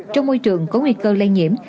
trong môi trường có nguy cơ lây nhiễm